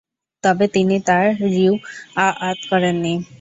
তবে তিনি তা রিওয়ায়াত করেননি।